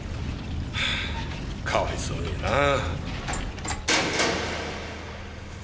かわいそうになぁ。